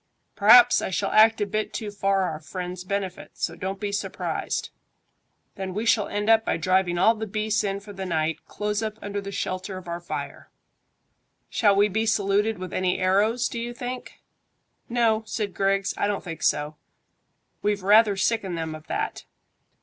"P'r'aps I shall act a bit too for our friends' benefit, so don't be surprised. Then we shall end up by driving all the beasts in for the night close up under the shelter of our fire." "Shall we be saluted with any arrows, do you think?" "No," said Griggs; "I don't think so. We've rather sickened them of that.